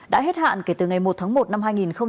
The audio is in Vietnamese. đã hết hạn kể từ ngày một tháng một năm hai nghìn hai mươi